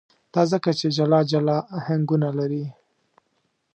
دا ځکه چې جلا جلا آهنګونه لري.